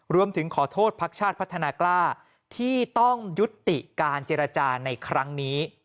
รวมถึงขอโทษภักดิ์ชาติพัฒนากล้าที่ต้องยุติการเจรจาในครั้งนี้